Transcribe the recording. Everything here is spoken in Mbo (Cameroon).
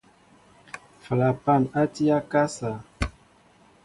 Flapan tí a akasá.